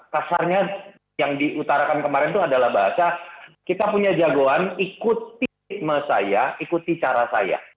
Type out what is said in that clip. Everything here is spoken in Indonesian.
kasarnya yang diutarakan kemarin itu adalah bahasa kita punya jagoan ikutime saya ikuti cara saya